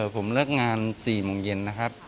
ผมเลิกงาน๔โมงเย็น